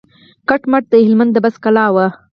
کټ مټ د هلمند د بست کلا وه.